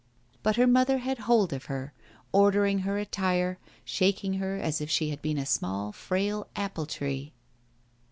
But her mother had hold of her, ordering her attire, shaking her as if she had been a small frail apple tree.